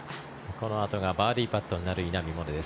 このあとがバーディーパットになる稲見萌寧です。